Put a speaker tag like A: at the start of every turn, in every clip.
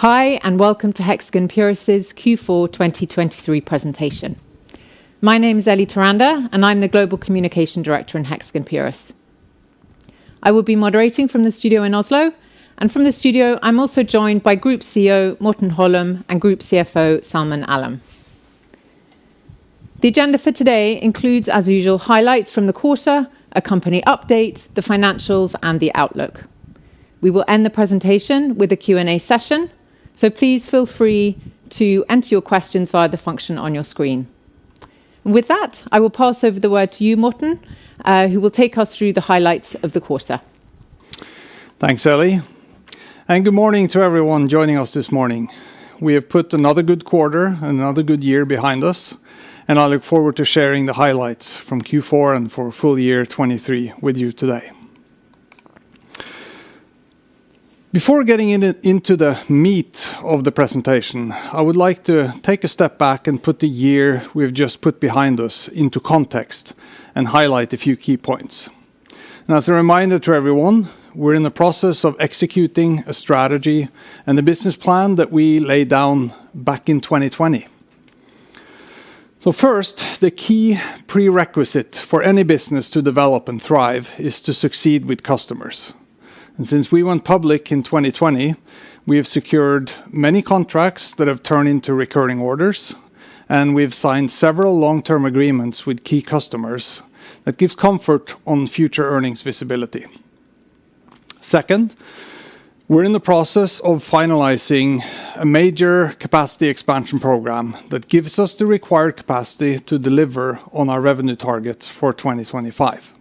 A: Hi, and welcome to Hexagon Purus' Q4 2023 presentation. My name is Eli Flakne, and I'm the Global Communication Director in Hexagon Purus. I will be moderating from the studio in Oslo, and from the studio, I'm also joined by Group CEO Morten Holum and Group CFO Salman Alam. The agenda for today includes, as usual, highlights from the quarter, a company update, the financials, and the outlook. We will end the presentation with a Q&A session, so please feel free to enter your questions via the function on your screen. With that, I will pass the word to you, Morten, who will take us through the highlights of the quarter.
B: Thanks, Eli, and good morning to everyone joining us this morning. We have put another good quarter and another good year behind us, and I look forward to sharing the highlights from Q4 and for full year 2023 with you today. Before getting into the meat of the presentation, I would like to take a step back and put the year we've just put behind us into context and highlight a few key points. As a reminder to everyone, we're in the process of executing a strategy and a business plan that we laid down back in 2020. First, the key prerequisite for any business to develop and thrive is to succeed with customers. Since we went public in 2020, we have secured many contracts that have turned into recurring orders, and we've signed several long-term agreements with key customers that gives comfort on future earnings visibility. Second, we're in the process of finalizing a major capacity expansion program that gives us the required capacity to deliver on our revenue targets for 2025.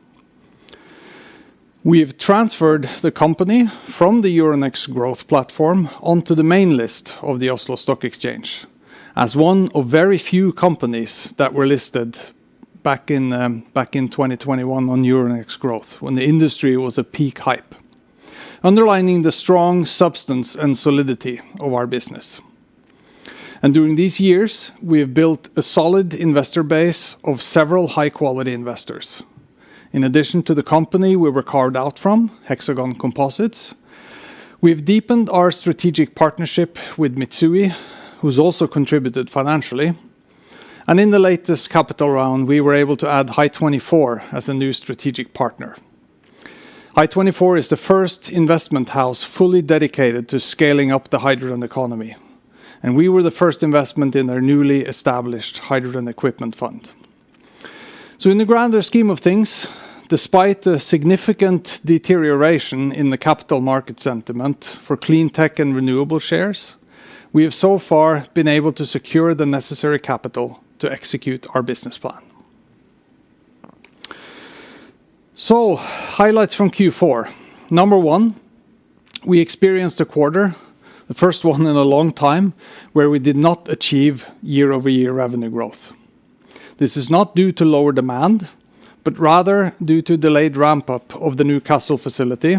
B: We have transferred the company from the Euronext Growth Platform onto the main list of the Oslo Stock Exchange, as one of very few companies that were listed back in, back in 2021 on Euronext Growth, when the industry was at peak hype, underlining the strong substance and solidity of our business. During these years, we have built a solid investor base of several high-quality investors. In addition to the company we were carved out from, Hexagon Composites, we've deepened our strategic partnership with Mitsui, who's also contributed financially. And in the latest capital round, we were able to add Hy24 as a new strategic partner. Hy24 is the first investment house fully dedicated to scaling up the hydrogen economy, and we were the first investment in their newly established hydrogen equipment fund. So in the grander scheme of things, despite the significant deterioration in the capital market sentiment for clean tech and renewable shares, we have so far been able to secure the necessary capital to execute our business plan. So highlights from Q4. Number one, we experienced a quarter, the first one in a long time, where we did not achieve year-over-year revenue growth. This is not due to lower demand, but rather due to delayed ramp-up of the Kassel facility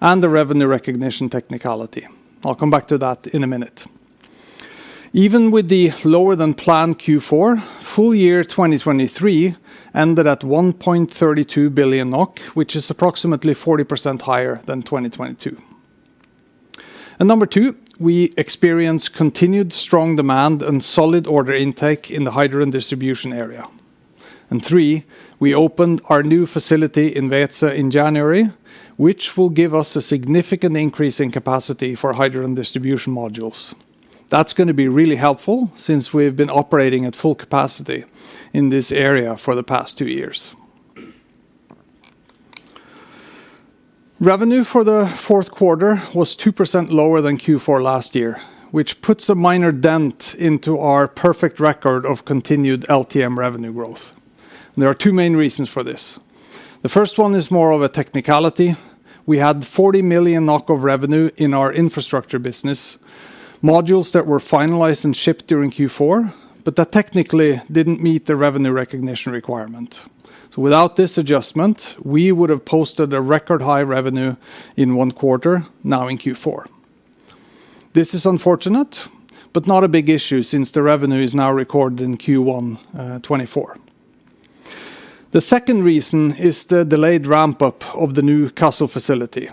B: and the revenue recognition technicality. I'll come back to that in a minute. Even with the lower-than-planned Q4, full year 2023 ended at 1.32 billion NOK, which is approximately 40% higher than 2022. And number two, we experienced continued strong demand and solid order intake in the hydrogen distribution area. And three, we opened our new facility in Weeze in January, which will give us a significant increase in capacity for hydrogen distribution modules. That's gonna be really helpful since we've been operating at full capacity in this area for the past two years. Revenue for the fourth quarter was 2% lower than Q4 last year, which puts a minor dent into our perfect record of continued LTM revenue growth. There are two main reasons for this. The first one is more of a technicality. We had 40 million NOK of revenue in our infrastructure business, modules that were finalized and shipped during Q4, but that technically didn't meet the revenue recognition requirement. So without this adjustment, we would have posted a record high revenue in one quarter, now in Q4. This is unfortunate, but not a big issue since the revenue is now recorded in Q1 2024. The second reason is the delayed ramp-up of the new Kassel facility.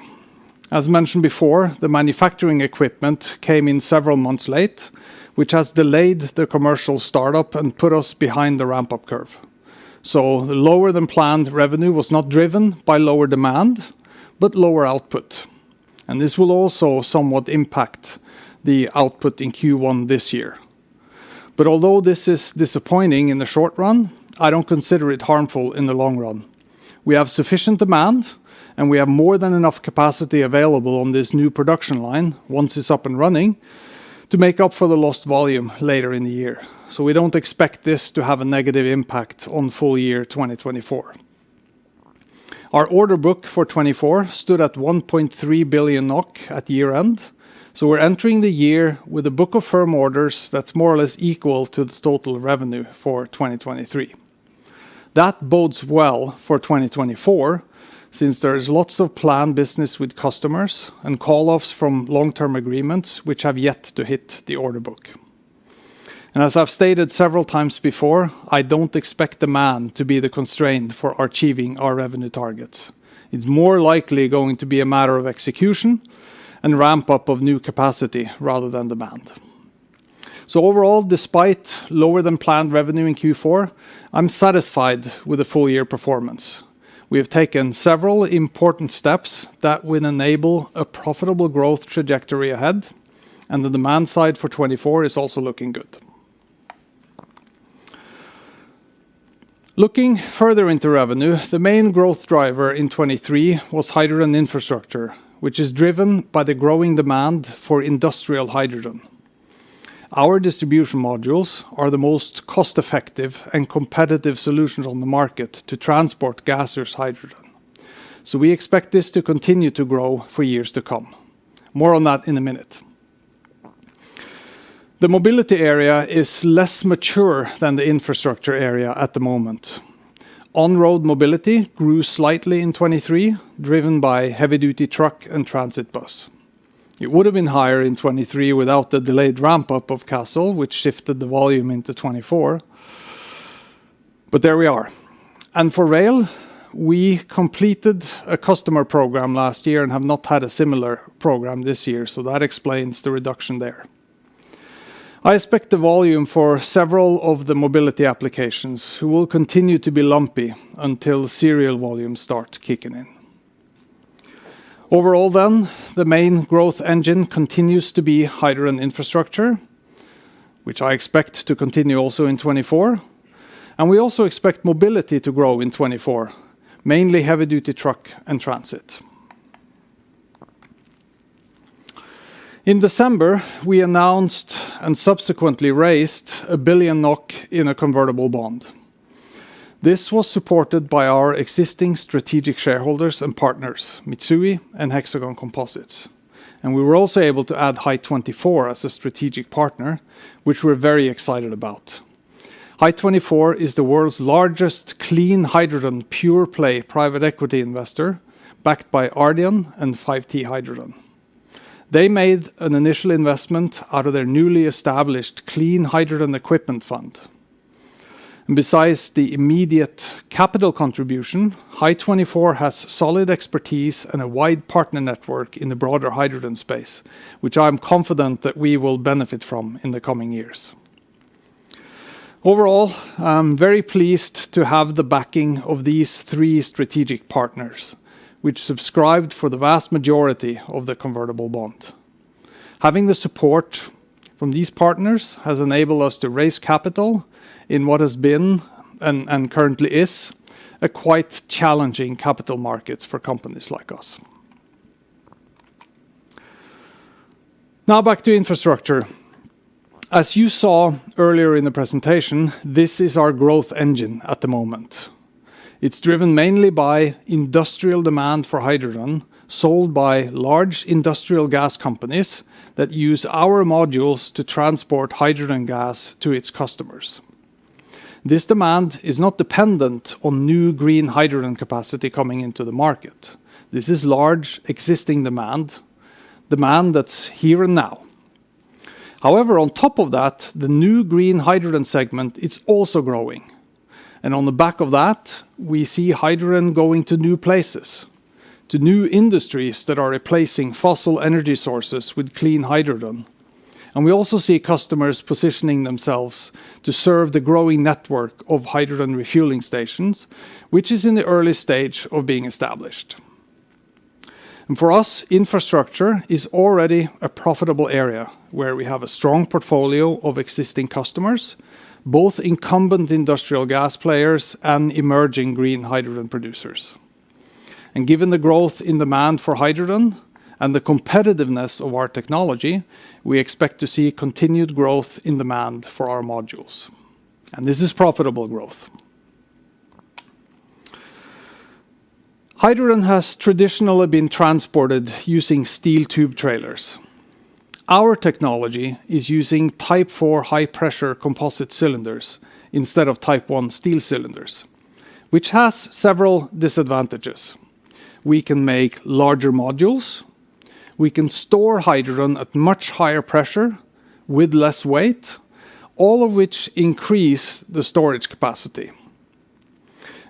B: As mentioned before, the manufacturing equipment came in several months late, which has delayed the commercial startup and put us behind the ramp-up curve. So the lower-than-planned revenue was not driven by lower demand, but lower output, and this will also somewhat impact the output in Q1 this year. Although this is disappointing in the short run, I don't consider it harmful in the long run. We have sufficient demand, and we have more than enough capacity available on this new production line, once it's up and running, to make up for the lost volume later in the year. We don't expect this to have a negative impact on full year 2024. Our order book for 2024 stood at 1.3 billion NOK at year-end, so we're entering the year with a book of firm orders that's more or less equal to the total revenue for 2023. That bodes well for 2024, since there is lots of planned business with customers and call-offs from long-term agreements, which have yet to hit the order book. As I've stated several times before, I don't expect demand to be the constraint for achieving our revenue targets. It's more likely going to be a matter of execution and ramp up of new capacity rather than demand. So overall, despite lower than planned revenue in Q4, I'm satisfied with the full-year performance. We have taken several important steps that will enable a profitable growth trajectory ahead, and the demand side for 2024 is also looking good. Looking further into revenue, the main growth driver in 2023 was hydrogen infrastructure, which is driven by the growing demand for industrial hydrogen. Our distribution modules are the most cost-effective and competitive solutions on the market to transport gaseous hydrogen. So we expect this to continue to grow for years to come. More on that in a minute. The mobility area is less mature than the infrastructure area at the moment. On-road mobility grew slightly in 2023, driven by heavy duty truck and transit bus. It would have been higher in 2023 without the delayed ramp up of Kassel, which shifted the volume into 2024, but there we are. For rail, we completed a customer program last year and have not had a similar program this year, so that explains the reduction there. I expect the volume for several of the mobility applications will continue to be lumpy until serial volumes start kicking in. Overall then, the main growth engine continues to be hydrogen infrastructure, which I expect to continue also in 2024, and we also expect mobility to grow in 2024, mainly heavy duty truck and transit. In December, we announced and subsequently raised 1 billion NOK in a convertible bond. This was supported by our existing strategic shareholders and partners, Mitsui and Hexagon Composites. We were also able to add Hy24 as a strategic partner, which we're very excited about. Hy24 is the world's largest clean hydrogen pure-play private equity investor, backed by Ardian and FiveT Hydrogen. They made an initial investment out of their newly established clean hydrogen equipment fund. Besides the immediate capital contribution, Hy24 has solid expertise and a wide partner network in the broader hydrogen space, which I'm confident that we will benefit from in the coming years. Overall, I'm very pleased to have the backing of these three strategic partners, which subscribed for the vast majority of the convertible bond. Having the support from these partners has enabled us to raise capital in what has been and currently is a quite challenging capital markets for companies like us. Now, back to infrastructure. As you saw earlier in the presentation, this is our growth engine at the moment. It's driven mainly by industrial demand for hydrogen, sold by large industrial gas companies that use our modules to transport hydrogen gas to its customers. This demand is not dependent on new green hydrogen capacity coming into the market. This is large, existing demand, demand that's here and now. However, on top of that, the new green hydrogen segment, it's also growing. And on the back of that, we see hydrogen going to new places, to new industries that are replacing fossil energy sources with clean hydrogen. And we also see customers positioning themselves to serve the growing network of hydrogen refueling stations, which is in the early stage of being established. And for us, infrastructure is already a profitable area where we have a strong portfolio of existing customers, both incumbent industrial gas players and emerging green hydrogen producers. Given the growth in demand for hydrogen and the competitiveness of our technology, we expect to see continued growth in demand for our modules. This is profitable growth. Hydrogen has traditionally been transported using steel tube trailers. Our technology is using Type IV high-pressure composite cylinders instead of Type I steel cylinders, which has several disadvantages. We can make larger modules, we can store hydrogen at much higher pressure with less weight, all of which increase the storage capacity.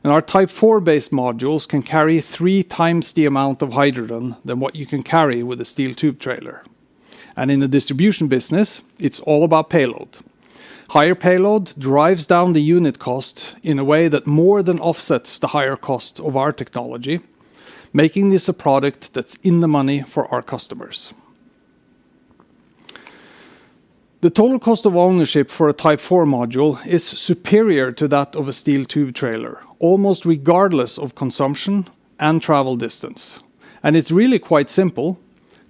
B: Our Type IV-based modules can carry three times the amount of hydrogen than what you can carry with a steel tube trailer. In the distribution business, it's all about payload. Higher payload drives down the unit cost in a way that more than offsets the higher cost of our technology, making this a product that's in the money for our customers. The total cost of ownership for a Type IV module is superior to that of a steel tube trailer, almost regardless of consumption and travel distance. It's really quite simple.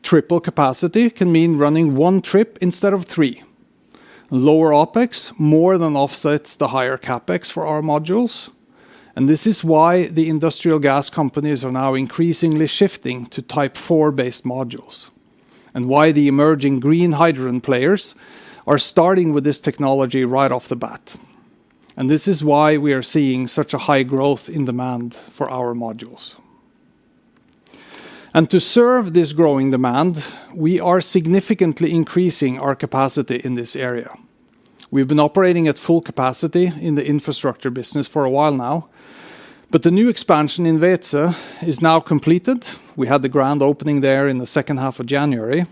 B: Triple capacity can mean running one trip instead of three, and lower OpEx more than offsets the higher CapEx for our modules. This is why the industrial gas companies are now increasingly shifting to Type IV-based modules, and why the emerging green hydrogen players are starting with this technology right off the bat. This is why we are seeing such a high growth in demand for our modules... To serve this growing demand, we are significantly increasing our capacity in this area. We've been operating at full capacity in the infrastructure business for a while now, but the new expansion in Weeze is now completed. We had the grand opening there in the second half of January,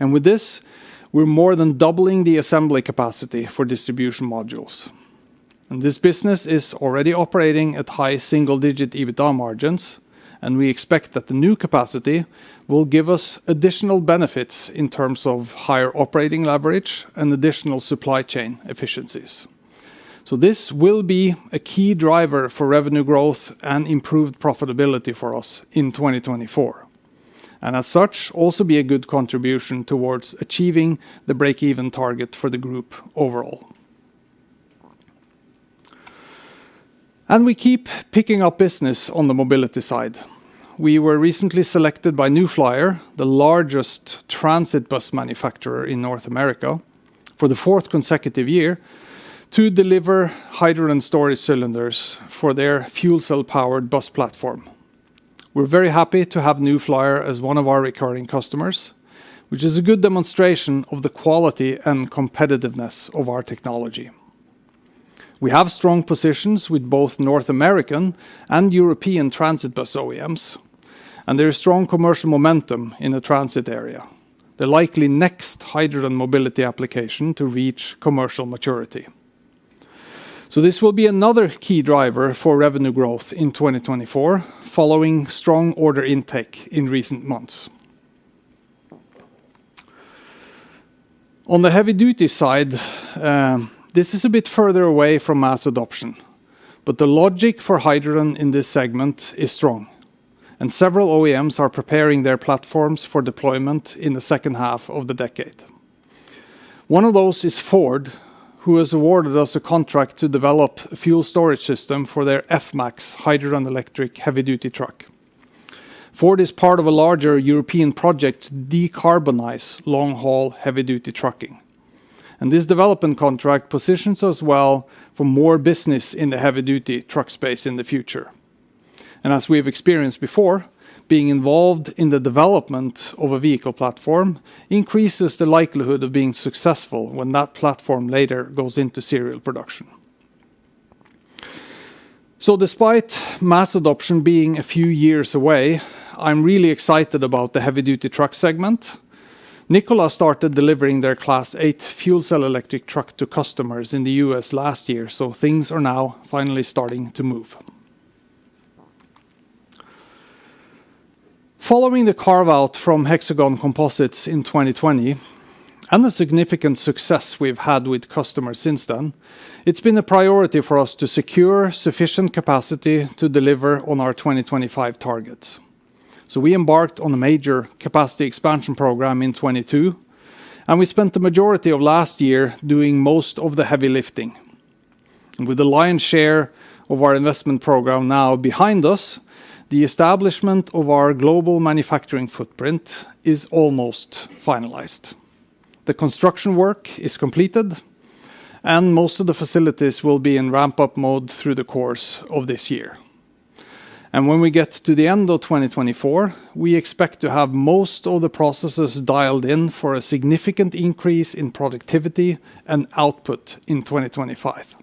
B: and with this, we're more than doubling the assembly capacity for distribution modules. This business is already operating at high single-digit EBITDA margins, and we expect that the new capacity will give us additional benefits in terms of higher operating leverage and additional supply chain efficiencies. This will be a key driver for revenue growth and improved profitability for us in 2024, and as such, also be a good contribution towards achieving the break-even target for the group overall. We keep picking up business on the mobility side. We were recently selected by New Flyer, the largest transit bus manufacturer in North America, for the fourth consecutive year, to deliver hydrogen storage cylinders for their fuel cell-powered bus platform. We're very happy to have New Flyer as one of our recurring customers, which is a good demonstration of the quality and competitiveness of our technology. We have strong positions with both North American and European transit bus OEMs, and there is strong commercial momentum in the transit area, the likely next hydrogen mobility application to reach commercial maturity. So this will be another key driver for revenue growth in 2024, following strong order intake in recent months. On the heavy-duty side, this is a bit further away from mass adoption, but the logic for hydrogen in this segment is strong, and several OEMs are preparing their platforms for deployment in the second half of the decade. One of those is Ford, who has awarded us a contract to develop a fuel storage system for their F-MAX hydrogen electric heavy-duty truck. Ford is part of a larger European project to decarbonize long-haul, heavy-duty trucking, and this development contract positions us well for more business in the heavy-duty truck space in the future. And as we've experienced before, being involved in the development of a vehicle platform increases the likelihood of being successful when that platform later goes into serial production. So despite mass adoption being a few years away, I'm really excited about the heavy-duty truck segment. Nikola started delivering their Class 8 fuel cell electric truck to customers in the U.S. last year, so things are now finally starting to move. Following the carve-out from Hexagon Composites in 2020, and the significant success we've had with customers since then, it's been a priority for us to secure sufficient capacity to deliver on our 2025 targets. We embarked on a major capacity expansion program in 2022, and we spent the majority of last year doing most of the heavy lifting. With the lion's share of our investment program now behind us, the establishment of our global manufacturing footprint is almost finalized. The construction work is completed, and most of the facilities will be in ramp-up mode through the course of this year. When we get to the end of 2024, we expect to have most of the processes dialed in for a significant increase in productivity and output in 2025.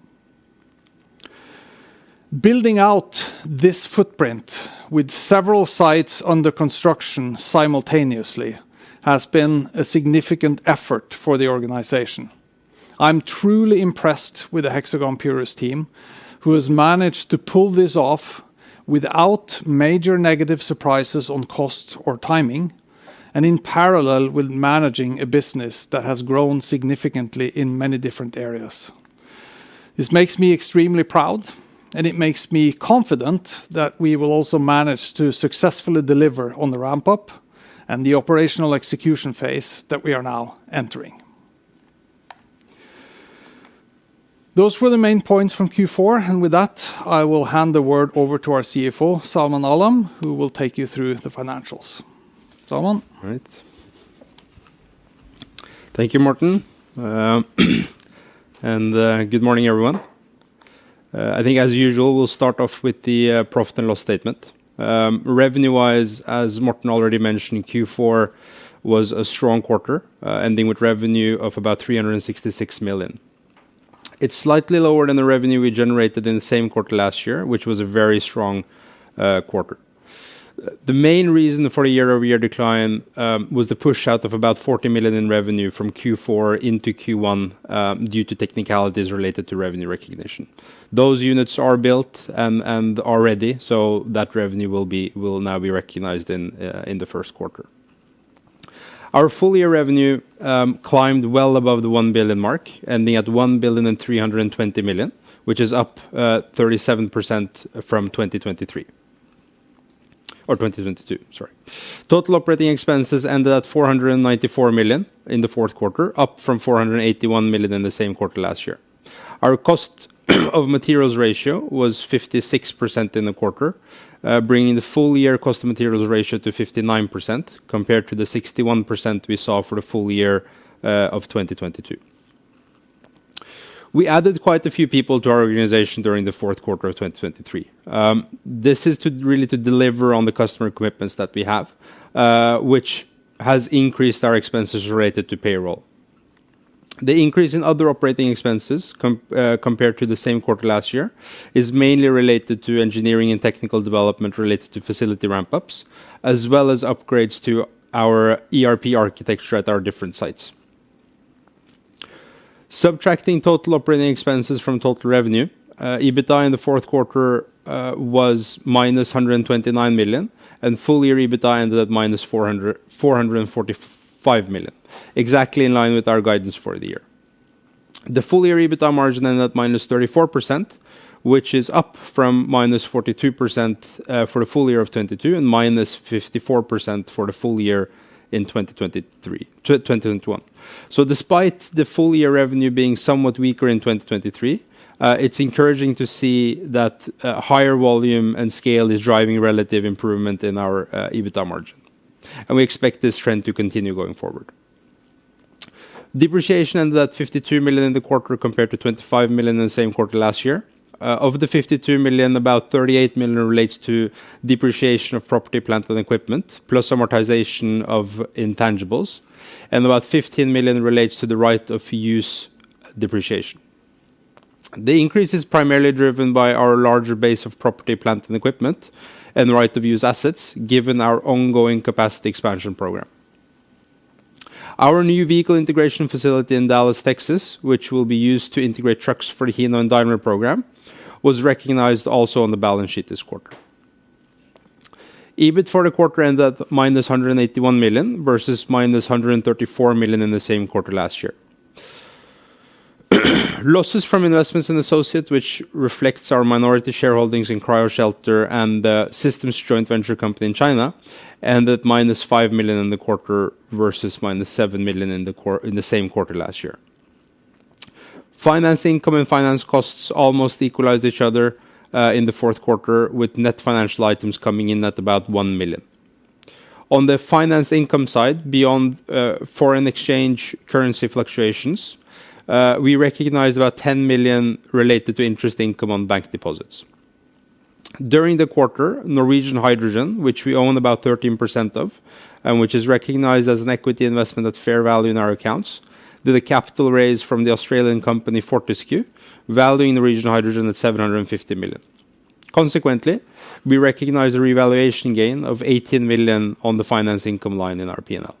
B: Building out this footprint with several sites under construction simultaneously has been a significant effort for the organization. I'm truly impressed with the Hexagon Purus team, who has managed to pull this off without major negative surprises on costs or timing, and in parallel with managing a business that has grown significantly in many different areas. This makes me extremely proud, and it makes me confident that we will also manage to successfully deliver on the ramp-up and the operational execution phase that we are now entering. Those were the main points from Q4, and with that, I will hand the word over to our CFO, Salman Alam, who will take you through the financials. Salman?
C: All right. Thank you, Morten, and good morning, everyone. I think, as usual, we'll start off with the profit and loss statement. Revenue-wise, as Morten already mentioned, Q4 was a strong quarter, ending with revenue of about 366 million. It's slightly lower than the revenue we generated in the same quarter last year, which was a very strong quarter. The main reason for the year-over-year decline was the push-out of about 40 million in revenue from Q4 into Q1, due to technicalities related to revenue recognition. Those units are built and are ready, so that revenue will now be recognized in the first quarter. Our full-year revenue climbed well above the one billion mark, ending at 1,320 million, which is up 37% from 2023... or 2022, sorry. Total operating expenses ended at 494 million in the fourth quarter, up from 481 million in the same quarter last year. Our cost of materials ratio was 56% in the quarter, bringing the full-year cost of materials ratio to 59%, compared to the 61% we saw for the full year of 2022. We added quite a few people to our organization during the fourth quarter of 2023. This is really to deliver on the customer equipment that we have, which has increased our expenses related to payroll. The increase in other operating expenses compared to the same quarter last year is mainly related to engineering and technical development related to facility ramp-ups, as well as upgrades to our ERP architecture at our different sites. Subtracting total operating expenses from total revenue, EBITDA in the fourth quarter was -129 million NOK, and full-year EBITDA ended at -445 million NOK, exactly in line with our guidance for the year. The full-year EBITDA margin ended at -34%, which is up from -42% for the full year of 2022, and -54% for the full year in 2021. Despite the full-year revenue being somewhat weaker in 2023, it's encouraging to see that higher volume and scale is driving relative improvement in our EBITDA margin, and we expect this trend to continue going forward. Depreciation ended at 52 million in the quarter, compared to 25 million in the same quarter last year. Of the 52 million, about 38 million relates to depreciation of property, plant, and equipment, plus amortization of intangibles, and about 15 million relates to the right of use depreciation. The increase is primarily driven by our larger base of property, plant, and equipment, and the right of use assets, given our ongoing capacity expansion program. Our new vehicle integration facility in Dallas, Texas, which will be used to integrate trucks for the Hino and Daimler program, was recognized also on the balance sheet this quarter. EBIT for the quarter ended at -181 million versus -134 million in the same quarter last year. Losses from investments in associate, which reflects our minority shareholdings in Cryoshelter and the Systems joint venture company in China, ended at -5 million in the quarter versus -7 million in the same quarter last year. Financing, income, and finance costs almost equalized each other in the fourth quarter, with net financial items coming in at about 1 million. On the finance income side, beyond foreign exchange currency fluctuations, we recognized about 10 million related to interest income on bank deposits. During the quarter, Norwegian Hydrogen, which we own about 13% of, and which is recognized as an equity investment at fair value in our accounts, did a capital raise from the Australian company, Fortescue, valuing the Norwegian Hydrogen at 750 million. Consequently, we recognize the revaluation gain of 18 million on the finance income line in our P&L.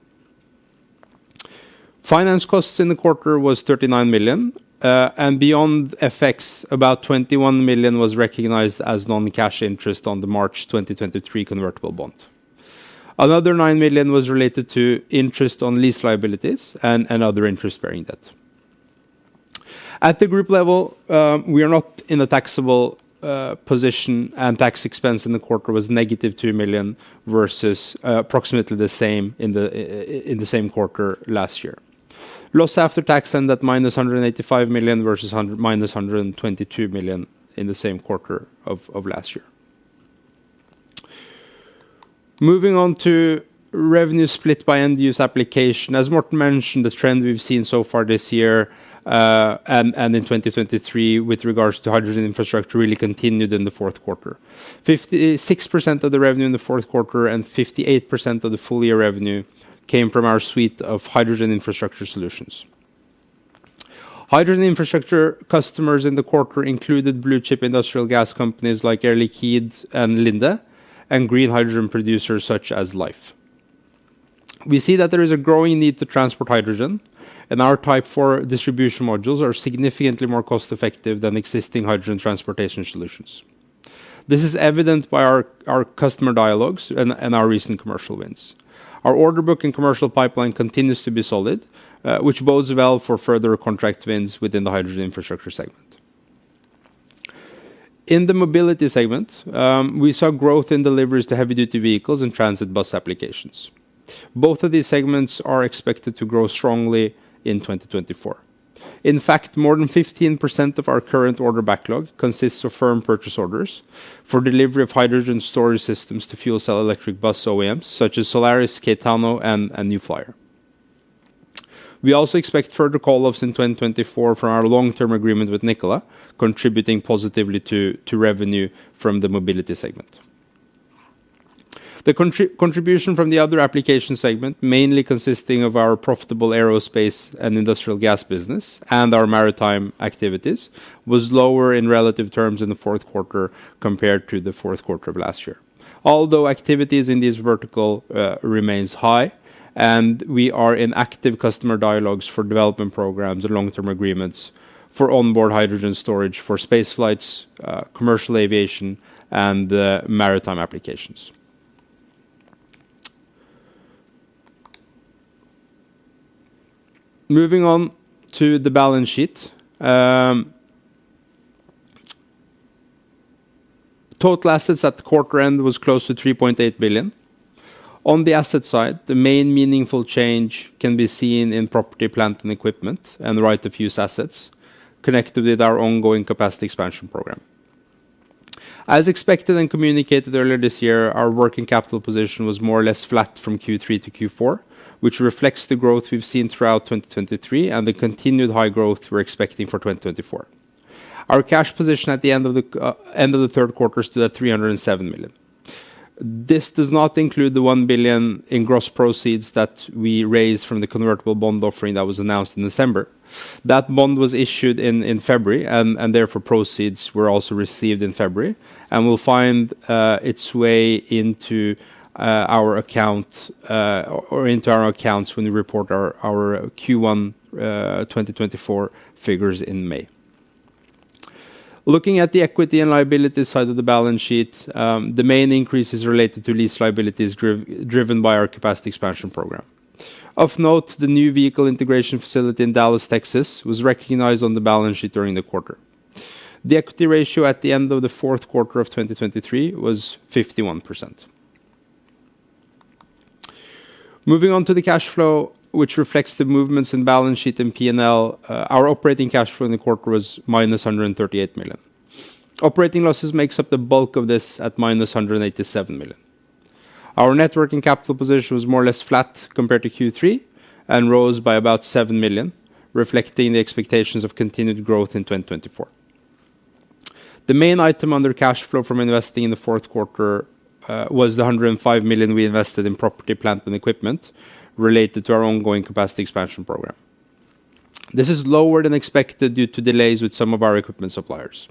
C: Finance costs in the quarter was 39 million, and FX effects, about 21 million was recognized as non-cash interest on the March 2023 convertible bond. Another 9 million was related to interest on lease liabilities and other interest-bearing debt. At the group level, we are not in a taxable position, and tax expense in the quarter was negative 2 million versus approximately the same in the same quarter last year. Loss after tax ended at -185 million versus -122 million in the same quarter of last year. Moving on to revenue split by end-use application. As Morten mentioned, the trend we've seen so far this year and in 2023, with regards to hydrogen infrastructure, really continued in the fourth quarter. 56% of the revenue in the fourth quarter and 58% of the full-year revenue came from our suite of hydrogen infrastructure solutions. Hydrogen infrastructure customers in the quarter included blue-chip industrial gas companies like Air Liquide and Linde, and green hydrogen producers, such as Lhyfe. We see that there is a growing need to transport hydrogen, and our Type IV distribution modules are significantly more cost-effective than existing hydrogen transportation solutions. This is evident by our customer dialogues and our recent commercial wins. Our order book and commercial pipeline continues to be solid, which bodes well for further contract wins within the hydrogen infrastructure segment. In the mobility segment, we saw growth in deliveries to heavy-duty vehicles and transit bus applications. Both of these segments are expected to grow strongly in 2024. In fact, more than 15% of our current order backlog consists of firm purchase orders for delivery of hydrogen storage systems to fuel cell electric bus OEMs, such as Solaris, Caetano, and New Flyer. We also expect further call-offs in 2024 for our long-term agreement with Nikola, contributing positively to revenue from the mobility segment. The contribution from the other application segment, mainly consisting of our profitable aerospace and industrial gas business and our maritime activities, was lower in relative terms in the fourth quarter compared to the fourth quarter of last year. Although activities in this vertical, remains high, and we are in active customer dialogues for development programs and long-term agreements for onboard hydrogen storage, for space flights, commercial aviation, and, maritime applications. Moving on to the balance sheet. Total assets at the quarter end was close to 3.8 billion. On the asset side, the main meaningful change can be seen in property, plant, and equipment, and the right to use assets connected with our ongoing capacity expansion program. As expected and communicated earlier this year, our working capital position was more or less flat from Q3 to Q4, which reflects the growth we've seen throughout 2023, and the continued high growth we're expecting for 2024. Our cash position at the end of the end of the third quarter stood at 307 million. This does not include the 1 billion in gross proceeds that we raised from the convertible bond offering that was announced in December. That bond was issued in February, and therefore, proceeds were also received in February, and will find its way into our account or into our accounts when we report our Q1 2024 figures in May. Looking at the equity and liability side of the balance sheet, the main increase is related to lease liabilities driven by our capacity expansion program. Of note, the new vehicle integration facility in Dallas, Texas, was recognized on the balance sheet during the quarter. The equity ratio at the end of the fourth quarter of 2023 was 51%. Moving on to the cash flow, which reflects the movements in balance sheet and P&L, our operating cash flow in the quarter was -138 million. Operating losses makes up the bulk of this at -187 million. Our net working capital position was more or less flat compared to Q3 and rose by about 7 million, reflecting the expectations of continued growth in 2024. The main item under cash flow from investing in the fourth quarter was the 105 million we invested in property, plant, and equipment related to our ongoing capacity expansion program. This is lower than expected due to delays with some of our equipment suppliers.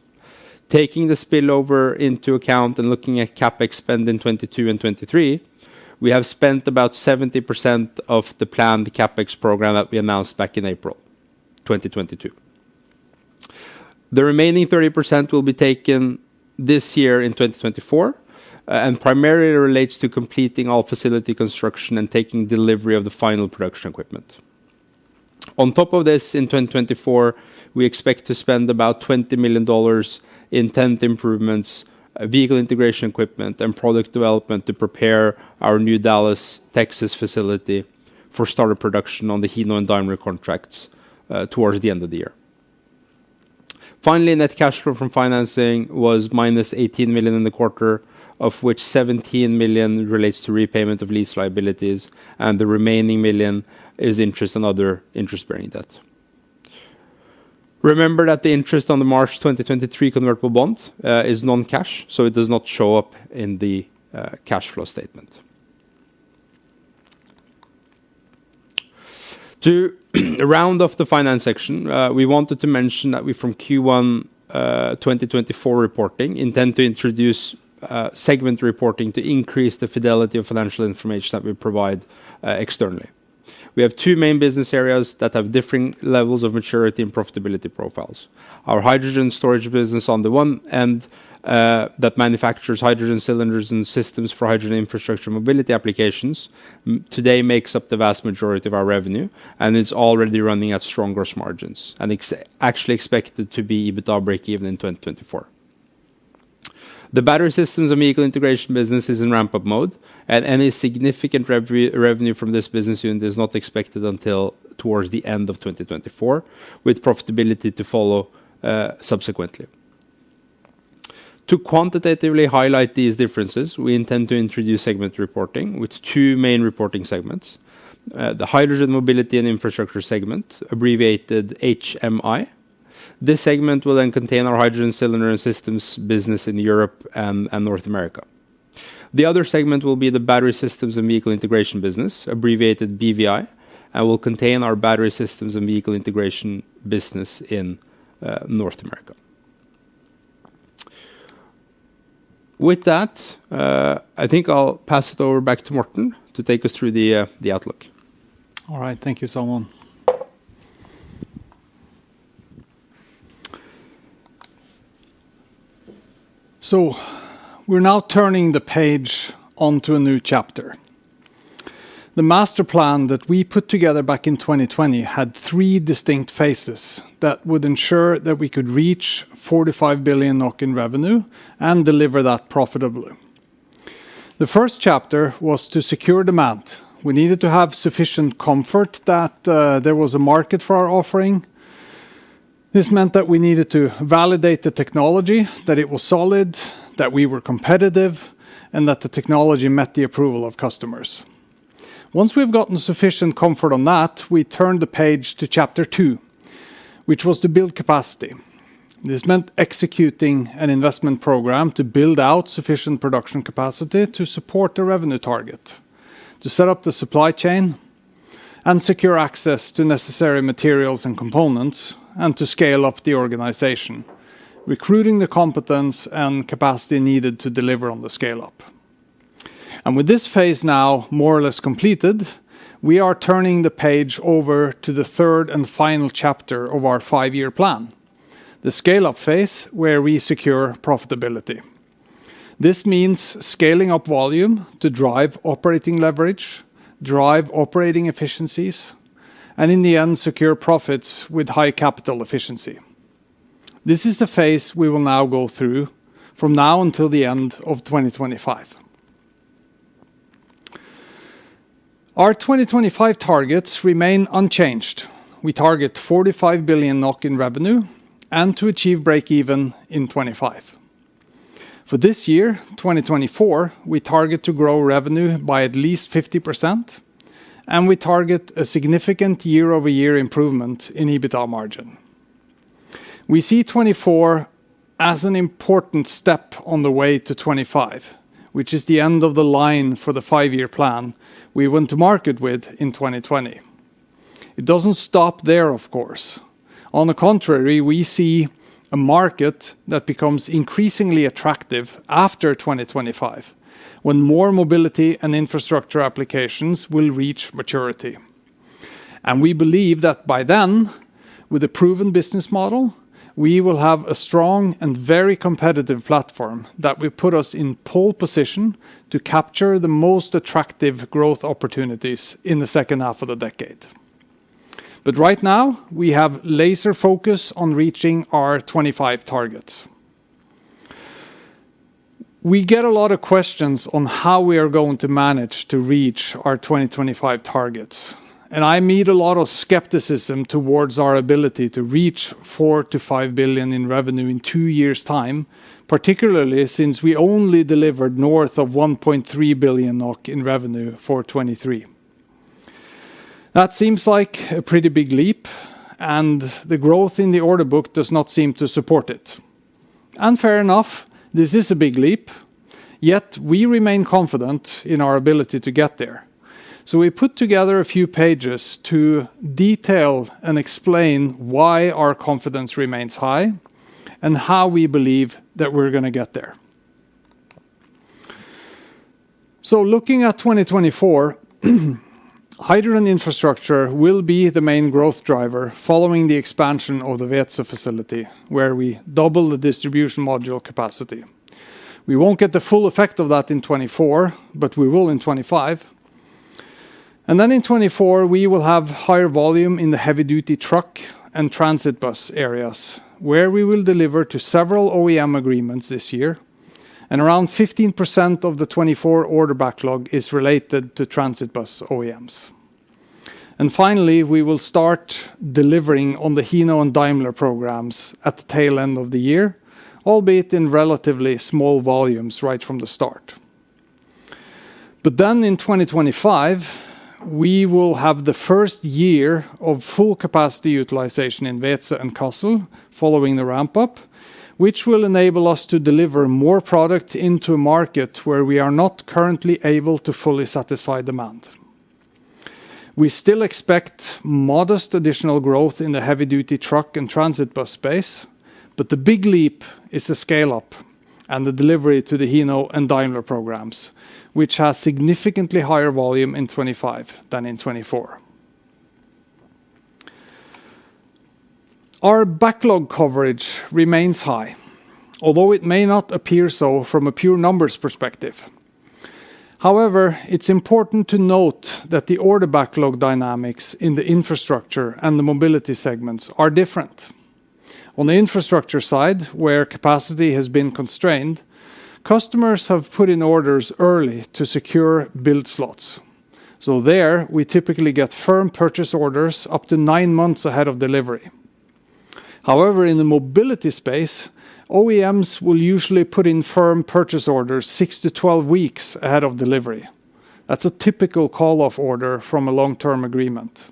C: Taking the spillover into account and looking at CapEx spend in 2022 and 2023, we have spent about 70% of the planned CapEx program that we announced back in April 2022. The remaining 30% will be taken this year in 2024, and primarily relates to completing all facility construction and taking delivery of the final production equipment. On top of this, in 2024, we expect to spend about $20 million in tenant improvements, vehicle integration equipment, and product development to prepare our new Dallas, Texas, facility for start of production on the Hino and Daimler contracts, towards the end of the year. Finally, net cash flow from financing was -18 million in the quarter, of which 17 million relates to repayment of lease liabilities, and the remaining million is interest and other interest-bearing debt. Remember that the interest on the March 2023 convertible bond is non-cash, so it does not show up in the cash flow statement. To round off the finance section, we wanted to mention that we, from Q1 2024 reporting, intend to introduce segment reporting to increase the fidelity of financial information that we provide externally. We have two main business areas that have differing levels of maturity and profitability profiles. Our hydrogen storage business on the one end that manufactures hydrogen cylinders and systems for hydrogen infrastructure mobility applications today makes up the vast majority of our revenue, and it's already running at strong gross margins, and actually expected to be EBITDA break even in 2024. The battery systems and vehicle integration business is in ramp-up mode, and any significant revenue from this business unit is not expected until towards the end of 2024, with profitability to follow subsequently. To quantitatively highlight these differences, we intend to introduce segment reporting with two main reporting segments. The hydrogen mobility and infrastructure segment, abbreviated HMI. This segment will then contain our hydrogen cylinder and systems business in Europe and North America. The other segment will be the battery systems and vehicle integration business, abbreviated BVI, and will contain our battery systems and vehicle integration business in North America. With that, I think I'll pass it over back to Morten to take us through the outlook.
B: All right, thank you, Salman. So we're now turning the page onto a new chapter. The master plan that we put together back in 2020 had three distinct phases that would ensure that we could reach 45 billion NOK in revenue and deliver that profitably. The first chapter was to secure demand. We needed to have sufficient comfort that there was a market for our offering. This meant that we needed to validate the technology, that it was solid, that we were competitive, and that the technology met the approval of customers. Once we've gotten sufficient comfort on that, we turned the page to chapter two, which was to build capacity. This meant executing an investment program to build out sufficient production capacity to support the revenue target, to set up the supply chain, and secure access to necessary materials and components, and to scale up the organization, recruiting the competence and capacity needed to deliver on the scale up. With this phase now more or less completed, we are turning the page over to the third and final chapter of our five-year plan, the scale-up phase, where we secure profitability. This means scaling up volume to drive operating leverage, drive operating efficiencies, and in the end, secure profits with high capital efficiency. This is the phase we will now go through from now until the end of 2025. Our 2025 targets remain unchanged. We target 45 billion NOK in revenue, and to achieve breakeven in 2025. For this year, 2024, we target to grow revenue by at least 50%, and we target a significant year-over-year improvement in EBITDA margin. We see 2024 as an important step on the way to 2025, which is the end of the line for the 5-year plan we went to market with in 2020. It doesn't stop there, of course. On the contrary, we see a market that becomes increasingly attractive after 2025, when more mobility and infrastructure applications will reach maturity. We believe that by then, with a proven business model, we will have a strong and very competitive platform that will put us in pole position to capture the most attractive growth opportunities in the second half of the decade. Right now, we have laser focus on reaching our 2025 targets. We get a lot of questions on how we are going to manage to reach our 2025 targets, and I meet a lot of skepticism towards our ability to reach 4-5 billion NOK in revenue in two years time, particularly since we only delivered north of 1.3 billion NOK in revenue for 2023. That seems like a pretty big leap, and the growth in the order book does not seem to support it. Fair enough, this is a big leap, yet we remain confident in our ability to get there. We put together a few pages to detail and explain why our confidence remains high and how we believe that we're gonna get there. Looking at 2024, hydrogen infrastructure will be the main growth driver, following the expansion of the Weeze facility, where we double the distribution module capacity. We won't get the full effect of that in 2024, but we will in 2025. Then in 2024, we will have higher volume in the heavy-duty truck and transit bus areas, where we will deliver to several OEM agreements this year, and around 15% of the 2024 order backlog is related to transit bus OEMs. Finally, we will start delivering on the Hino and Daimler programs at the tail end of the year, albeit in relatively small volumes right from the start. Then in 2025, we will have the first year of full capacity utilization in Weeze and Kassel, following the ramp-up, which will enable us to deliver more product into a market where we are not currently able to fully satisfy demand. We still expect modest additional growth in the heavy-duty truck and transit bus space, but the big leap is the scale-up and the delivery to the Hino and Daimler programs, which has significantly higher volume in 2025 than in 2024. Our backlog coverage remains high, although it may not appear so from a pure numbers perspective. However, it's important to note that the order backlog dynamics in the infrastructure and the mobility segments are different. On the infrastructure side, where capacity has been constrained, customers have put in orders early to secure build slots. So there, we typically get firm purchase orders up to nine months ahead of delivery. However, in the mobility space, OEMs will usually put in firm purchase orders six to 12 weeks ahead of delivery. That's a typical call-off order from a long-term agreement.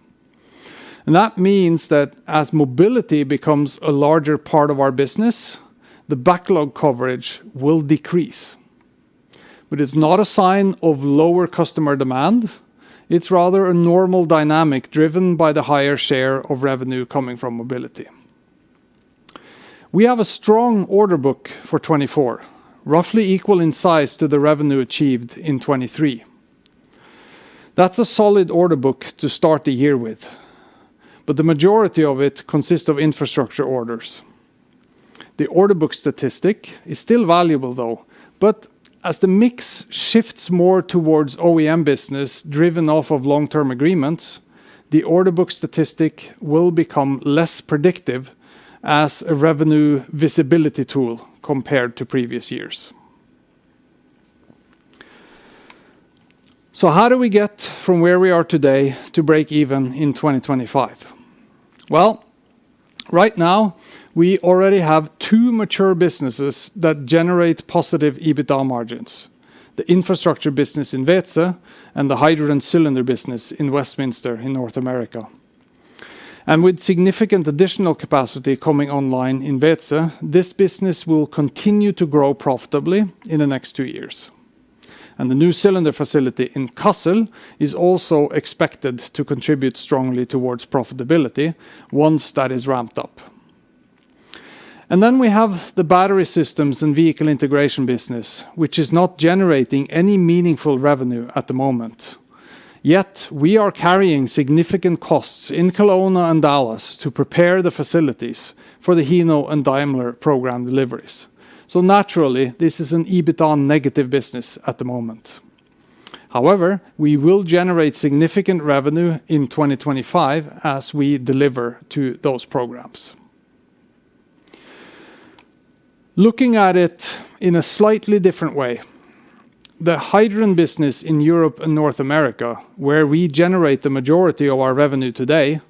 B: And that means that as mobility becomes a larger part of our business, the backlog coverage will decrease. But it's not a sign of lower customer demand, it's rather a normal dynamic driven by the higher share of revenue coming from mobility. We have a strong order book for 2024, roughly equal in size to the revenue achieved in 2023. That's a solid order book to start the year with, but the majority of it consists of infrastructure orders. The order book statistic is still valuable, though, but as the mix shifts more towards OEM business driven off of long-term agreements, the order book statistic will become less predictive as a revenue visibility tool compared to previous years. So how do we get from where we are today to breakeven in 2025? Well, right now, we already have two mature businesses that generate positive EBITDA margins: the infrastructure business in Weeze and the hydrogen cylinder business in Westminster, in North America. With significant additional capacity coming online in Weeze, this business will continue to grow profitably in the next two years. The new cylinder facility in Kassel is also expected to contribute strongly towards profitability once that is ramped up. Then we have the battery systems and vehicle integration business, which is not generating any meaningful revenue at the moment. Yet, we are carrying significant costs in Kelowna and Dallas to prepare the facilities for the Hino and Daimler program deliveries. So naturally, this is an EBITDA negative business at the moment. However, we will generate significant revenue in 2025 as we deliver to those programs. Looking at it in a slightly different way, the hydrogen business in Europe and North America, where we generate the majority of our revenue today,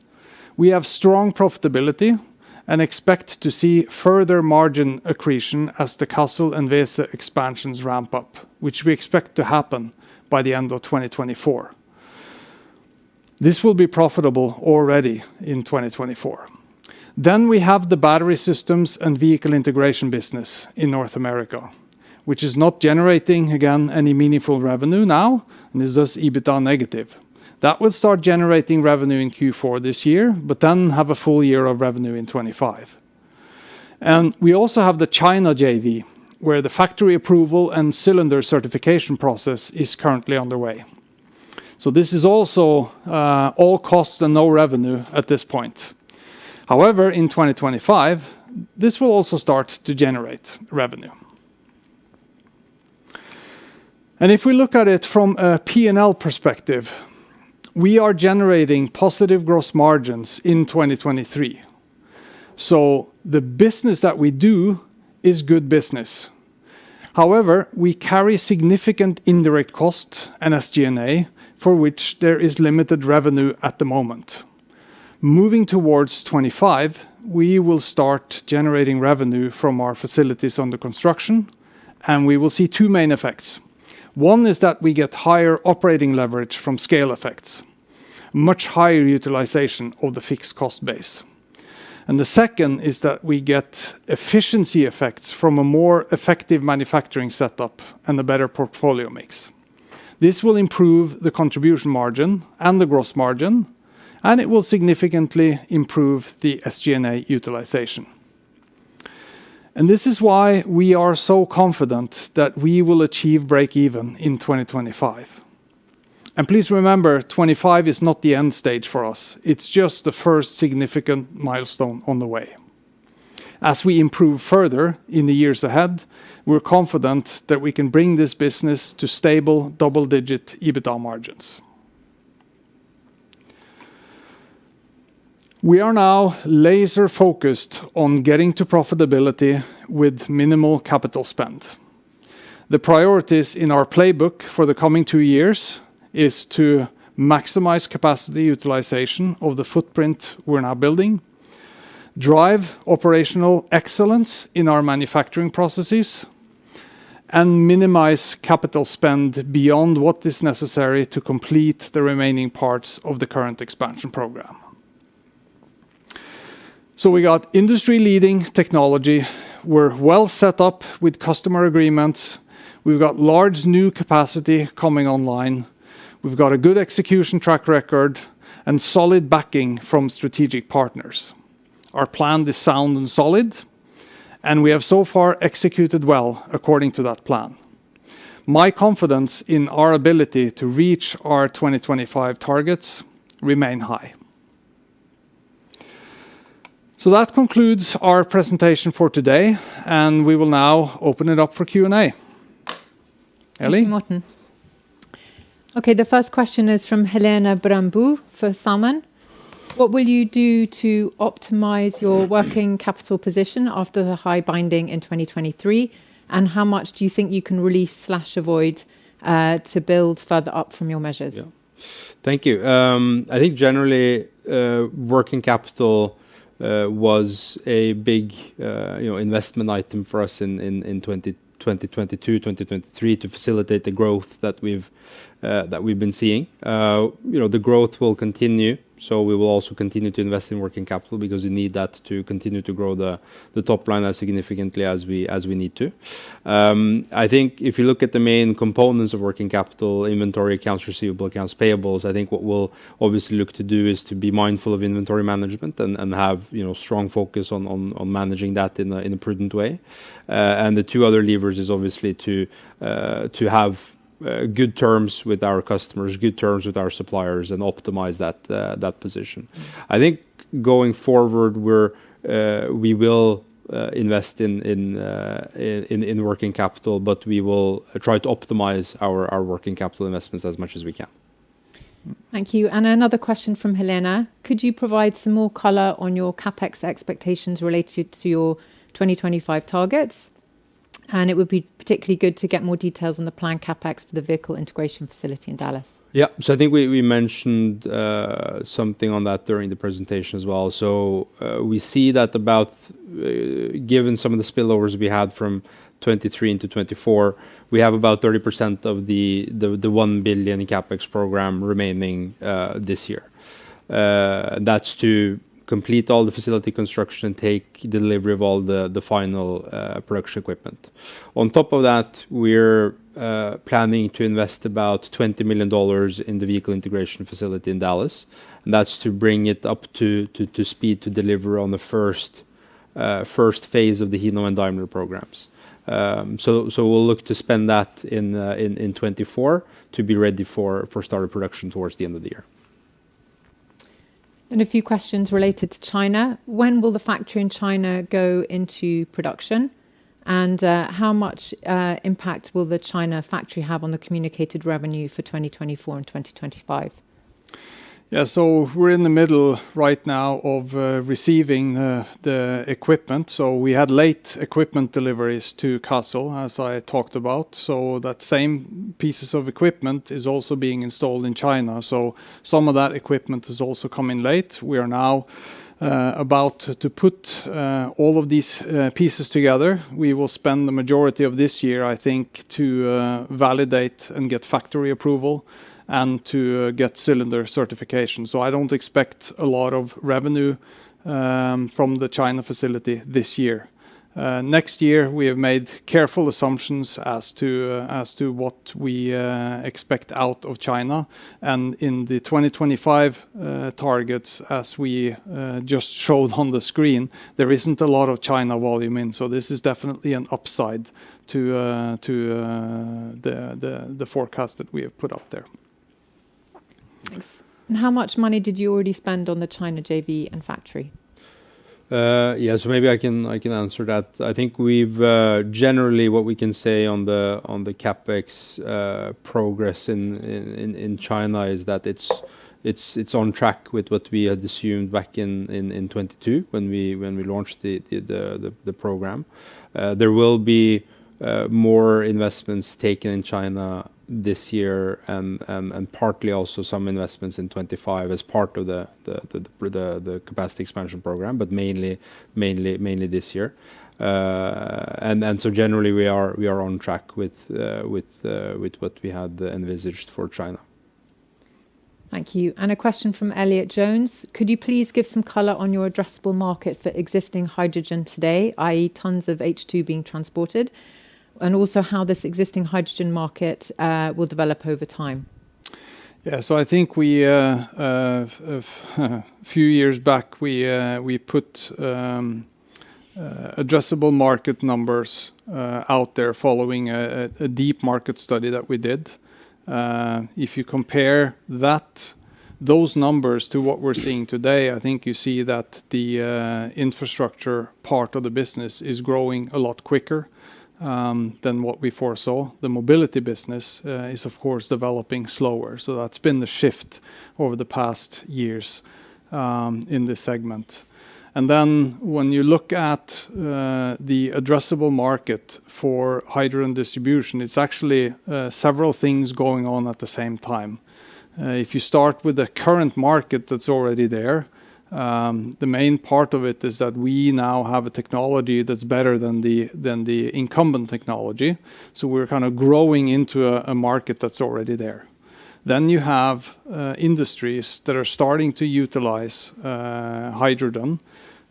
B: we have strong profitability and expect to see further margin accretion as the Kassel and Weeze expansions ramp up, which we expect to happen by the end of 2024. This will be profitable already in 2024. Then we have the battery systems and vehicle integration business in North America, which is not generating, again, any meaningful revenue now, and is thus EBITDA negative. That will start generating revenue in Q4 this year, but then have a full year of revenue in 2025. And we also have the China JV, where the factory approval and cylinder certification process is currently underway. So this is also, all costs and no revenue at this point. However, in 2025, this will also start to generate revenue. If we look at it from a P&L perspective, we are generating positive gross margins in 2023. The business that we do is good business. However, we carry significant indirect cost and SG&A, for which there is limited revenue at the moment. Moving towards 2025, we will start generating revenue from our facilities under construction, and we will see two main effects. One is that we get higher operating leverage from scale effects, much higher utilization of the fixed cost base. The second is that we get efficiency effects from a more effective manufacturing setup and a better portfolio mix. This will improve the contribution margin and the gross margin, and it will significantly improve the SG&A utilization. This is why we are so confident that we will achieve breakeven in 2025. Please remember, 2025 is not the end stage for us, it's just the first significant milestone on the way. As we improve further in the years ahead, we're confident that we can bring this business to stable double-digit EBITDA margins. We are now laser-focused on getting to profitability with minimal capital spend. The priorities in our playbook for the coming two years is to maximize capacity utilization of the footprint we're now building, drive operational excellence in our manufacturing processes, and minimize capital spend beyond what is necessary to complete the remaining parts of the current expansion program. We got industry-leading technology. We're well set up with customer agreements. We've got large, new capacity coming online. We've got a good execution track record and solid backing from strategic partners. Our plan is sound and solid, and we have so far executed well according to that plan. My confidence in our ability to reach our 2025 targets remain high. So that concludes our presentation for today, and we will now open it up for Q&A. Eli?
A: Thank you, Morten. Okay, the first question is from Helene Brøndbo for Salman. "What will you do to optimize your working capital position after the high binding in 2023, and how much do you think you can release/avoid to build further up from your measures?
C: Yeah. Thank you. I think generally, working capital was a big, you know, investment item for us in 2022, 2023, to facilitate the growth that we've that we've been seeing. You know, the growth will continue, so we will also continue to invest in working capital because we need that to continue to grow the top line as significantly as we as we need to. I think if you look at the main components of working capital, inventory, accounts receivable, accounts payables, I think what we'll obviously look to do is to be mindful of inventory management and have, you know, strong focus on managing that in a prudent way. And the two other levers is obviously to have good terms with our customers, good terms with our suppliers, and optimize that position. I think going forward, we will invest in working capital, but we will try to optimize our working capital investments as much as we can.
A: Thank you. And another question from Helene: "Could you provide some more color on your CapEx expectations related to your 2025 targets? And it would be particularly good to get more details on the planned CapEx for the vehicle integration facility in Dallas.
C: Yeah. So I think we mentioned something on that during the presentation as well. So we see that about, given some of the spillovers we had from 2023 into 2024, we have about 30% of the 1 billion CapEx program remaining this year. That's to complete all the facility construction, take delivery of all the final production equipment. On top of that, we're planning to invest about $20 million in the vehicle integration facility in Dallas, and that's to bring it up to speed to deliver on the first phase of the Hino and Daimler programs. So we'll look to spend that in 2024 to be ready for start of production towards the end of the year.
A: A few questions related to China. "When will the factory in China go into production? And, how much impact will the China factory have on the communicated revenue for 2024 and 2025?
B: Yeah, so we're in the middle right now of receiving the equipment. So we had late equipment deliveries to Kassel, as I talked about, so that same pieces of equipment is also being installed in China. So some of that equipment is also coming late. We are now about to put all of these pieces together. We will spend the majority of this year, I think, to validate and get factory approval and to get cylinder certification. So I don't expect a lot of revenue from the China facility this year. Next year, we have made careful assumptions as to what we expect out of China. In the 2025 targets, as we just showed on the screen, there isn't a lot of China volume in, so this is definitely an upside to the forecast that we have put out there.
A: Thanks. How much money did you already spend on the China JV and factory?
C: Yeah, so maybe I can answer that. I think, generally, what we can say on the CapEx progress in China is that it's on track with what we had assumed back in 2022, when we launched the program. There will be more investments taken in China this year, and partly also some investments in 2025 as part of the capacity expansion program, but mainly this year. So generally, we are on track with what we had envisaged for China.
A: Thank you. A question from Elliott Jones: "Could you please give some color on your addressable market for existing hydrogen today, i.e., tons of H2 being transported, and also how this existing hydrogen market will develop over time?
B: Yeah, so I think we a few years back we put addressable market numbers out there following a deep market study that we did. If you compare those numbers to what we're seeing today, I think you see that the infrastructure part of the business is growing a lot quicker than what we foresaw. The mobility business is of course developing slower, so that's been the shift over the past years in this segment. And then when you look at the addressable market for hydrogen distribution, it's actually several things going on at the same time. If you start with the current market that's already there, the main part of it is that we now have a technology that's better than the incumbent technology, so we're kind of growing into a market that's already there. Then you have industries that are starting to utilize hydrogen,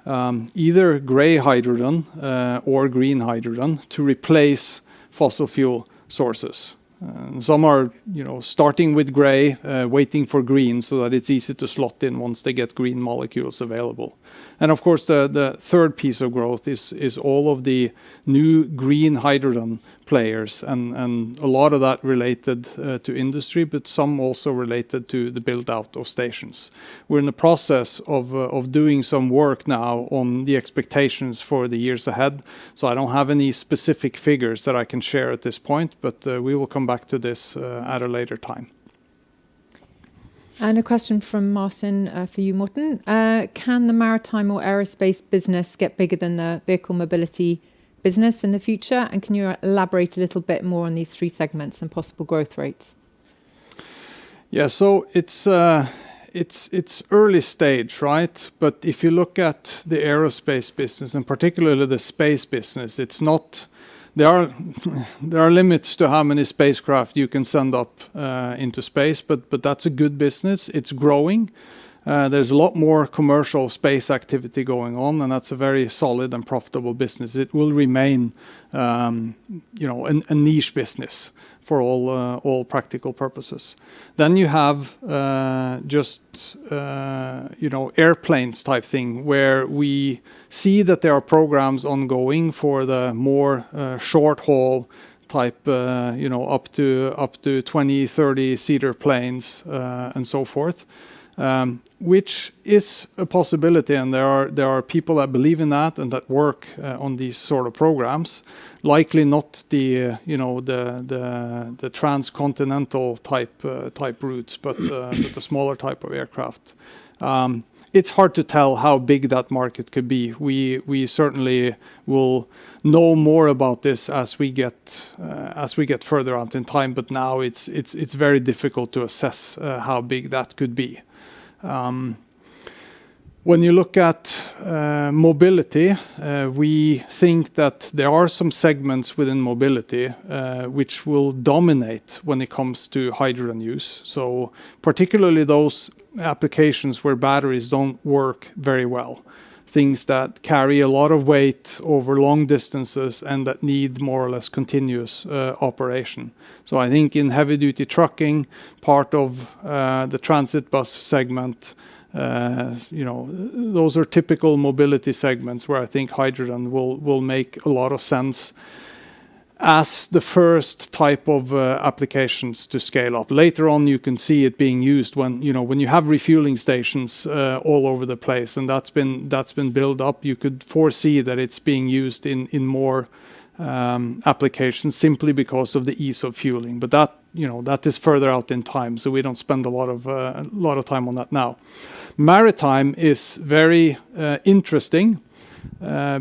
B: either gray hydrogen or green hydrogen, to replace fossil fuel sources. Some are, you know, starting with gray, waiting for green, so that it's easy to slot in once they get green molecules available. And of course, the third piece of growth is all of the new green hydrogen players and a lot of that related to industry, but some also related to the build-out of stations. We're in the process of doing some work now on the expectations for the years ahead, so I don't have any specific figures that I can share at this point, but we will come back to this at a later time.
A: A question from Morten, for you, Morten: "Can the maritime or aerospace business get bigger than the vehicle mobility business in the future? And can you elaborate a little bit more on these three segments and possible growth rates?
B: Yeah, so it's early stage, right? But if you look at the aerospace business, and particularly the space business, it's not... There are limits to how many spacecraft you can send up into space, but that's a good business. It's growing. There's a lot more commercial space activity going on, and that's a very solid and profitable business. It will remain, you know, a niche business for all practical purposes. Then you have just, you know, airplanes-type thing, where we see that there are programs ongoing for the more short-haul type, you know, up to 20, 30-seater planes, and so forth, which is a possibility, and there are people that believe in that and that work on these sort of programs. Likely not the, you know, transcontinental type routes, but the smaller type of aircraft. It's hard to tell how big that market could be. We certainly will know more about this as we get further out in time, but now it's very difficult to assess how big that could be. When you look at mobility, we think that there are some segments within mobility which will dominate when it comes to hydrogen use, so particularly those applications where batteries don't work very well, things that carry a lot of weight over long distances and that need more or less continuous operation. So I think in heavy-duty trucking, part of the transit bus segment, you know, those are typical mobility segments where I think hydrogen will make a lot of sense as the first type of applications to scale up. Later on, you can see it being used when, you know, when you have refueling stations all over the place, and that's been built up, you could foresee that it's being used in more applications simply because of the ease of fueling. But that, you know, that is further out in time, so we don't spend a lot of time on that now. Maritime is very interesting.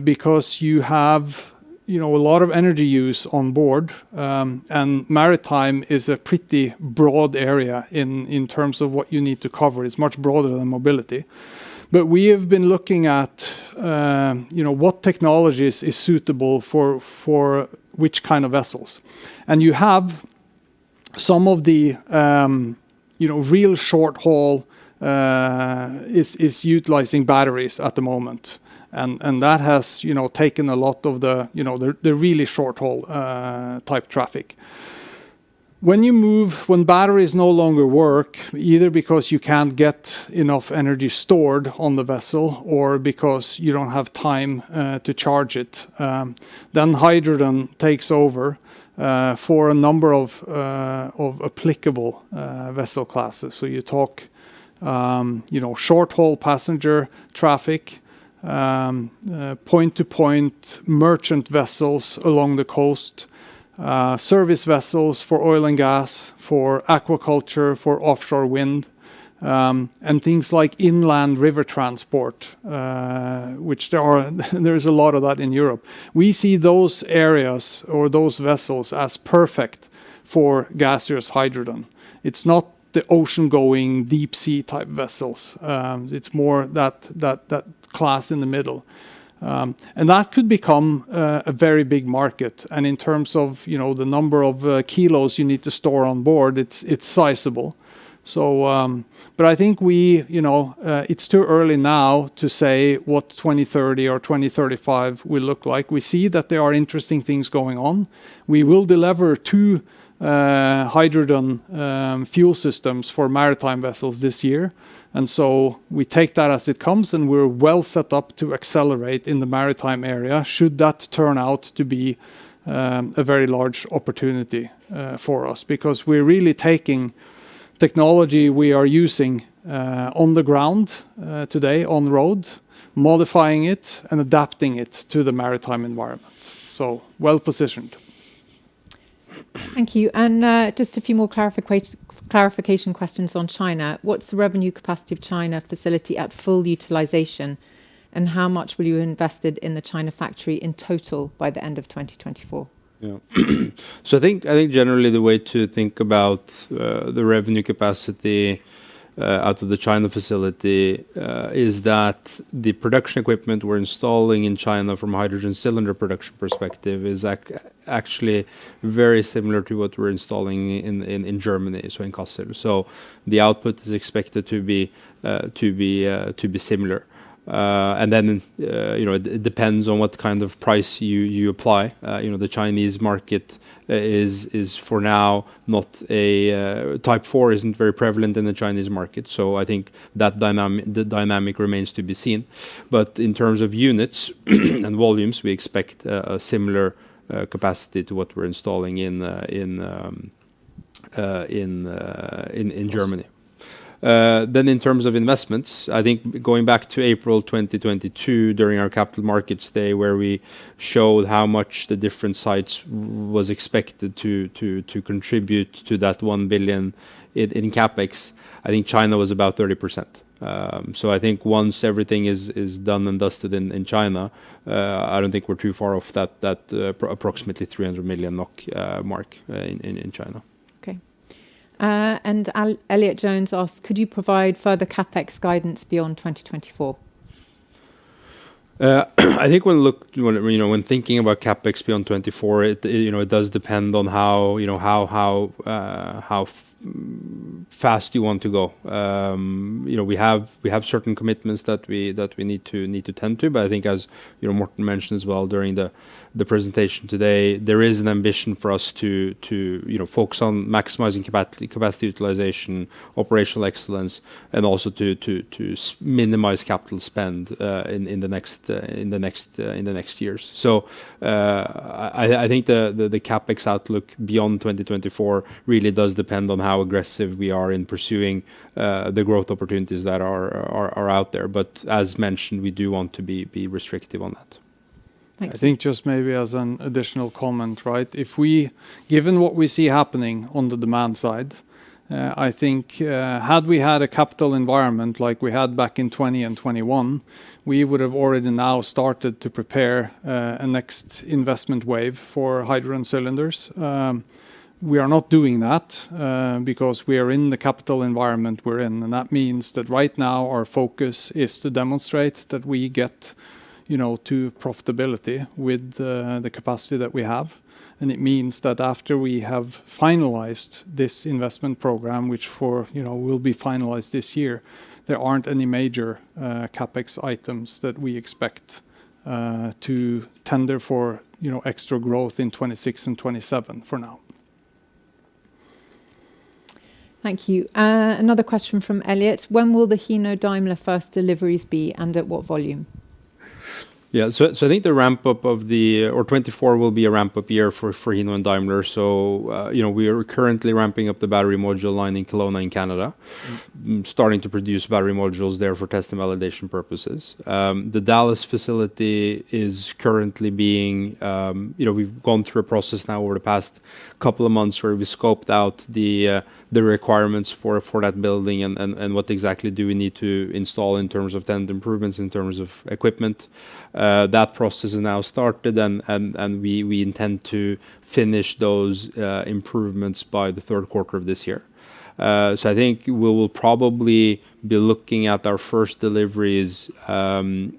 B: Because you have, you know, a lot of energy use on board, and maritime is a pretty broad area in terms of what you need to cover. It's much broader than mobility. But we have been looking at, you know, what technologies is suitable for, for which kind of vessels. And you have some of the, you know, real short haul, is utilizing batteries at the moment. And that has, you know, taken a lot of the, you know, the really short-haul, type traffic. When batteries no longer work, either because you can't get enough energy stored on the vessel or because you don't have time, to charge it, then hydrogen takes over, for a number of, of applicable, vessel classes. So you talk, you know, short-haul passenger traffic, point-to-point merchant vessels along the coast, service vessels for oil and gas, for aquaculture, for offshore wind, and things like inland river transport, which there is a lot of that in Europe. We see those areas or those vessels as perfect for gaseous hydrogen. It's not the ocean-going, deep-sea-type vessels. It's more that class in the middle. And that could become a very big market, and in terms of, you know, the number of kilos you need to store on board, it's sizable. So, but I think we, you know, it's too early now to say what 2030 or 2035 will look like. We see that there are interesting things going on. We will deliver 2 hydrogen fuel systems for maritime vessels this year, and so we take that as it comes, and we're well set up to accelerate in the maritime area, should that turn out to be a very large opportunity for us. Because we're really taking technology we are using on the ground today on road, modifying it and adapting it to the maritime environment, so well-positioned.
A: Thank you. And, just a few more clarification questions on China: What's the revenue capacity of China facility at full utilization, and how much will you have invested in the China factory in total by the end of 2024?
C: Yeah. So I think, I think generally the way to think about the revenue capacity out of the China facility is that the production equipment we're installing in China from a hydrogen cylinder production perspective is actually very similar to what we're installing in Germany, so in Kassel. So the output is expected to be similar. And then, you know, it depends on what kind of price you apply. You know, the Chinese market is for now not a... Type 4 isn't very prevalent in the Chinese market, so I think the dynamic remains to be seen. But in terms of units and volumes, we expect a similar capacity to what we're installing in Germany. Then in terms of investments, I think going back to April 2022, during our Capital Markets Day, where we showed how much the different sites was expected to contribute to that 1 billion in CapEx, I think China was about 30%. So I think once everything is done and dusted in China, I don't think we're too far off that approximately 300 million NOK mark in China.
A: Okay. And Elliott Jones asked: Could you provide further CapEx guidance beyond 2024?
C: I think when, you know, when thinking about CapEx beyond 2024, it, you know, it does depend on how, you know, how, how fast you want to go. You know, we have, we have certain commitments that we, that we need to, need to tend to. But I think as, you know, Morten mentioned as well during the, the presentation today, there is an ambition for us to, to, you know, focus on maximizing capacity utilization, operational excellence, and also to, to minimize capital spend, in the next years. So, I think the CapEx outlook beyond 2024 really does depend on how aggressive we are in pursuing the growth opportunities that are out there. But as mentioned, we do want to be restrictive on that.
A: Thank you.
B: I think just maybe as an additional comment, right? If, given what we see happening on the demand side, I think, had we had a capital environment like we had back in 2020 and 2021, we would have already now started to prepare a next investment wave for hydrogen cylinders. We are not doing that, because we are in the capital environment we're in, and that means that right now our focus is to demonstrate that we get, you know, to profitability with the capacity that we have. And it means that after we have finalized this investment program, which, you know, will be finalized this year, there aren't any major CapEx items that we expect to tender for, you know, extra growth in 2026 and 2027 for now.
A: Thank you. Another question from Elliot: When will the Hino Daimler first deliveries be, and at what volume?
C: Yeah, so I think the ramp up of the or 2024 will be a ramp-up year for Hino and Daimler. So, you know, we are currently ramping up the battery module line in Kelowna in Canada. Starting to produce battery modules there for test and validation purposes. The Dallas facility is currently being. You know, we've gone through a process now over the past couple of months where we scoped out the requirements for that building, and what exactly do we need to install in terms of tenant improvements, in terms of equipment. That process has now started, and we intend to finish those improvements by the third quarter of this year. So I think we will probably be looking at our first deliveries on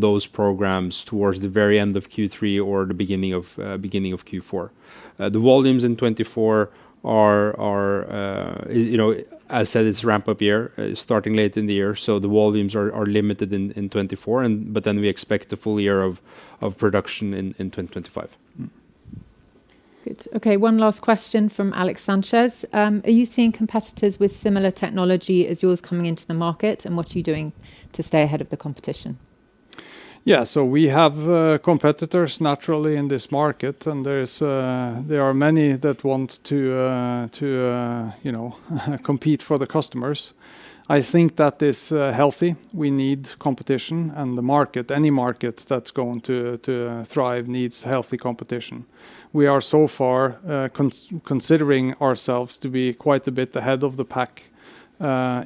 C: those programs towards the very end of Q3 or the beginning of Q4. The volumes in 2024 are you know, as I said, it's a ramp-up year starting late in the year, so the volumes are limited in 2024, and but then we expect a full year of production in 2025.
A: Good. Okay, one last question from Alex Sanchez. Are you seeing competitors with similar technology as yours coming into the market, and what are you doing to stay ahead of the competition?
B: Yeah. So we have competitors naturally in this market, and there are many that want to, you know, compete for the customers. I think that is healthy. We need competition, and the market, any market that's going to thrive needs healthy competition. We are so far considering ourselves to be quite a bit ahead of the pack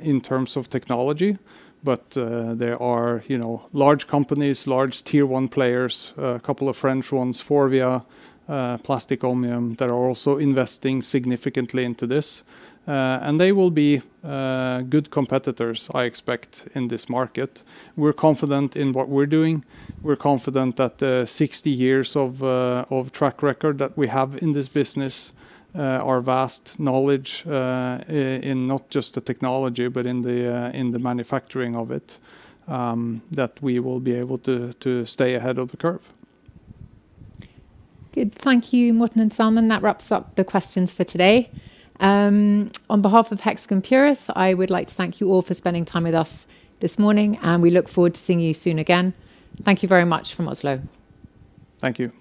B: in terms of technology. But there are, you know, large companies, large Tier 1 players, a couple of French ones, Faurecia, Plastic Omnium, that are also investing significantly into this. And they will be good competitors, I expect, in this market. We're confident in what we're doing. We're confident that the 60 years of track record that we have in this business, our vast knowledge in not just the technology but in the manufacturing of it, that we will be able to stay ahead of the curve.
A: Good. Thank you, Morten and Salman. That wraps up the questions for today. On behalf of Hexagon Purus, I would like to thank you all for spending time with us this morning, and we look forward to seeing you soon again. Thank you very much from Oslo.
B: Thank you.